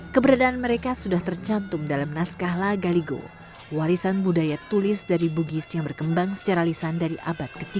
keberadaan mereka sudah tercantum dalam naskah lagaligo warisan budaya tulis dari bugis yang berkembang secara lisan dari abad ke tiga